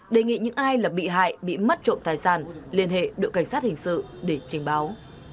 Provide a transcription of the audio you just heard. đề nghị những ai là bị hại bị mất trộm tài sản liên hệ đội cảnh sát hình sự để trình báo